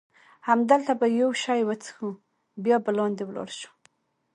همدلته به یو شی وڅښو، بیا به لاندې ولاړ شو.